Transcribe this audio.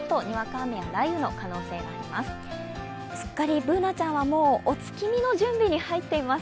Ｂｏｏｎａちゃんはお月見の準備に入っています。